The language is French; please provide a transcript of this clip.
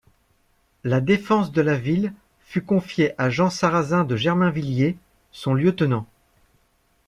La défense de la ville fut confiée à Jean Sarrazin de Germainvilliers, son lieutenant.